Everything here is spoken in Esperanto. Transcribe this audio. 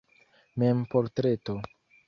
Memportreto.